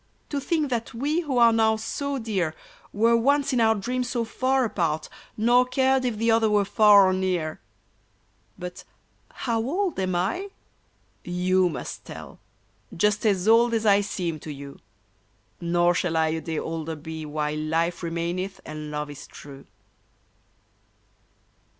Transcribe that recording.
To think that we who are now so dear Were once in our dreams so far apart, Nor cared if the other were far or near ! But — how old am I ? You must tell. Just as old as I seem to you ! Nor shall I a day older be While life remaineth and love is true